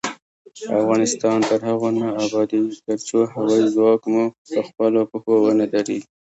افغانستان تر هغو نه ابادیږي، ترڅو هوايي ځواک مو پخپلو پښو ونه دریږي.